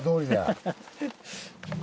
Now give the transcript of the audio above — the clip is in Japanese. ハハハッ。